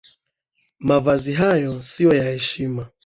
Mavazi hayo sio ya heshima